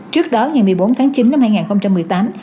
trước đó ngày một mươi bốn tháng chín năm hai nghìn một mươi tám